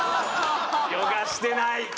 ヨガしてない。